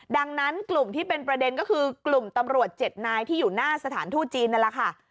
ดังนั้นกลุ่มที่เป็นประเด็นก็คือกลุ่มตำรวจ๗นายที่อยู่หน้าสถานทูตจีนนั่นแหละค่ะ